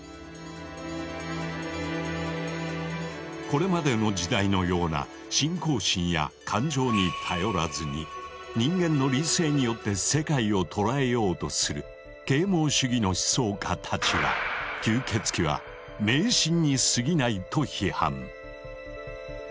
これまでの時代のような信仰心や感情に頼らずに人間の理性によって世界を捉えようとする啓蒙主義の思想家たちは吸血鬼は迷信にすぎないと批判。